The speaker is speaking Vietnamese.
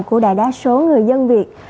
của đại đa số người dân việt